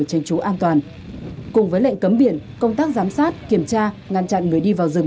tránh trú an toàn cùng với lệnh cấm biển công tác giám sát kiểm tra ngăn chặn người đi vào rừng